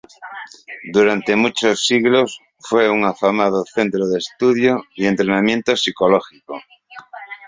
Durante muchos siglos, fue un afamado centro de estudio y entrenamiento psicológico.